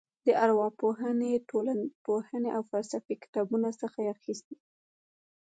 د ارواپوهنې ټولنپوهنې او فلسفې کتابونو څخه یې اخیستې.